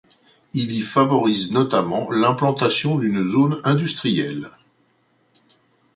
Il y favorise notamment l'implantation d'une zone industrielle.